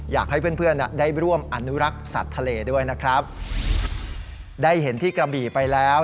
อยากให้เพื่อนเพื่อนได้ร่วมอนุรักษ์สัตว์ทะเลด้วยนะครับได้เห็นที่กระบี่ไปแล้ว